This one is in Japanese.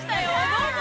どうぞ！